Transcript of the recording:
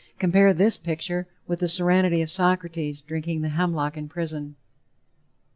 Compare this picture with the serenity of Socrates drinking the hemlock in prison!